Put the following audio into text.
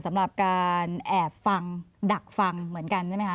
สำหรับการแอบฟังดักฟังเหมือนกันใช่ไหมคะ